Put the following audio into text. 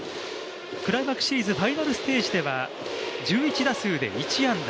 クライマックスシリーズ、ファイナルステージでは１１打数で１安打。